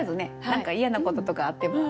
何か嫌なこととかあっても。